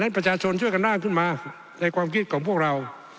ประชาชนช่วยกันร่างขึ้นมาในความคิดของพวกเรา